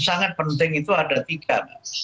sangat penting itu ada tiga